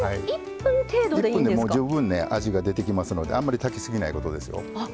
１分でもう十分ね味が出てきますのであんまり炊きすぎないことですよ。